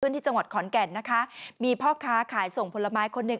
ที่จังหวัดขอนแก่นนะคะมีพ่อค้าขายส่งผลไม้คนหนึ่ง